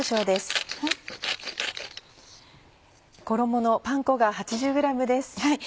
衣のパン粉が８０ｇです。